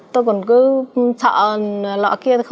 tôi còn cứ sợ lọ kia